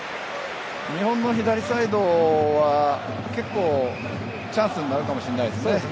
日本の左サイドは結構チャンスになるかもしれないですね。